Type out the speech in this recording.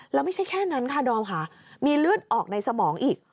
แล้วไม่ใช่แค่นั้นค่ะดอมค่ะมีเลือดออกในสมองอีก